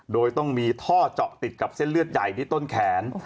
โดยต้องมีท่อเจาะติดกับเส้นเลือดใหญ่ที่ต้นแขน